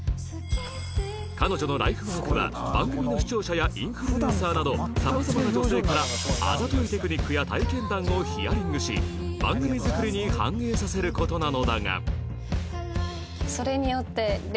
彼女のライフワークは番組の視聴者やインフルエンサーなど様々な女性からあざといテクニックや体験談をヒアリングし番組作りに反映させる事なのだが